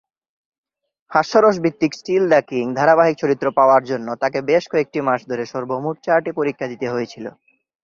হাস্যরস ভিত্তিক "still the king" ধারাবাহিকে চরিত্র পাওয়ার জন্য তাকে বেশ কয়েক মাস ধরে সর্বমোট চারটি পরীক্ষা দিতে হয়েছিল।